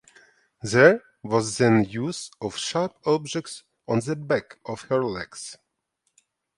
There was then use of sharp objects on the back of her legs.